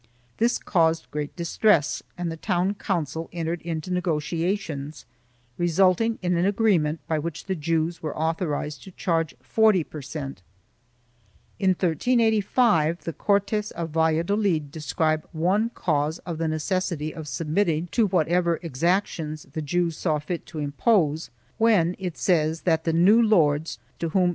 This caused great distress and the town council entered into negotiations, resulting in an agreement by which the Jews were authorized to charge 40 per cent.5 In 1385 the Cortes of Valladolid describe one cause of the necessity of submitting to whatever exactions the Jews saw fit to impose, when it says that the new lords, to whom Henry of Trastamara 1 Decreti P.